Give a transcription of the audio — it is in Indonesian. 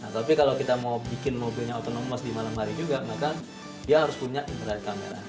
tapi kalau kita mau bikin mobilnya otonomos di malam hari juga maka dia harus punya internet kamera